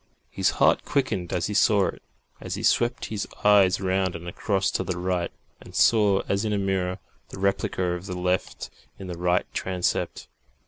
His heart quickened as he saw it as he swept his eyes round and across to the right and saw as in a mirror the replica of the left in the right transept.